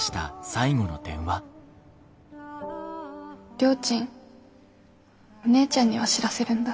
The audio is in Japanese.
りょーちんお姉ちゃんには知らせるんだ。